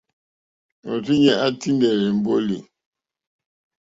Òrzìɲɛ́ î tíndɛ̀lɛ̀ èmbólì.